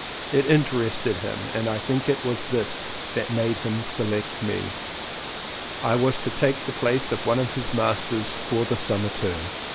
It interested him and I think it was this that made him select me. I was to take the place of one of his masters for the summer term.